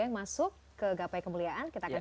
yang masuk ke gapai kemuliaan kita akan